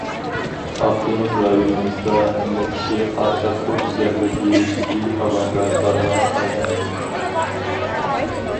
ئاپتونوم رايونىمىزدا، ھەممە كىشى قاقشاتقۇچ زەربە بېرىشتىكى ئاۋانگارتلارغا ئايلاندى.